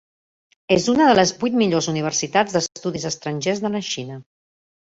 És una de les vuit millors universitats d'estudis estrangers de la Xina.